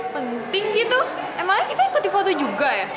penting gitu emangnya kita ikuti foto juga ya